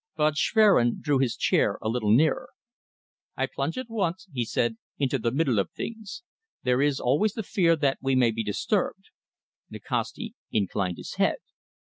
Von Schwerin drew his chair a little nearer. "I plunge at once," he said, "into the middle of things. There is always the fear that we may be disturbed." Nikasti inclined his head.